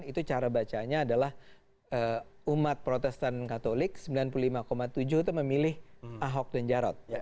itu cara bacanya adalah umat protestan katolik sembilan puluh lima tujuh itu memilih ahok dan jarot